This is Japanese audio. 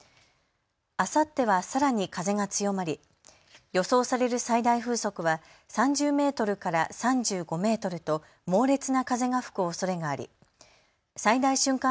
あさってはさらに風が強まり予想される最大風速は３０メートルから３５メートルと猛烈な風が吹くおそれがあり最大瞬間